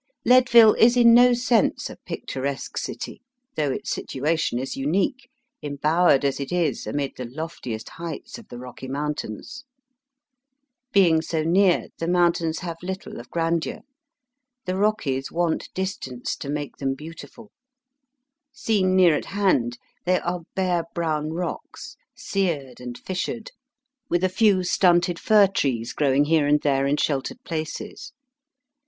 Leadville is in no sense a picturesque city, though its situation is unique, embowered as it is amid the loftiest heights of the Kocky Mountains. Being so near the moun tains have little of grandeur. The Kockies want distance to make them beautiful. Seen near at hand, they are bare brown rocks, seared and fissured, with a few stunted fir trees grow ing here and there in sheltered places.